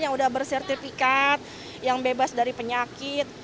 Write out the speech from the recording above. yang udah bersertifikat yang bebas dari penyakit